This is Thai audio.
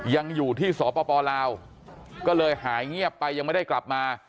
ยังอยู่ที่สปลาวก็เลยหายเงียบไปยังไม่ได้กลับมา